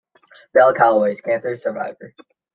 Bell Calloway is cancer survivor.